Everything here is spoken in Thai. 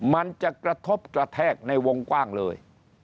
มันจะกระทบกระแทกในวงกว้างเลย